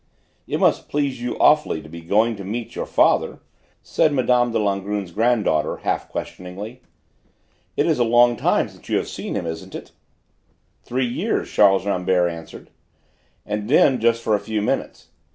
"It must please you awfully to be going to meet your father," said Mme. de Langrune's granddaughter half questioningly. "It is a long time since you have seen him, isn't it?" "Three years," Charles Rambert answered, "and then just for a few minutes.